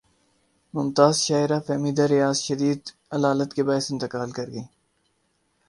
ممتاز شاعرہ فہمیدہ ریاض شدید علالت کے باعث انتقال کر گئیں